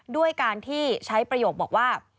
ด้วยการที่ใช้ประโยคบอกว่า